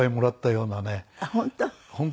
本当？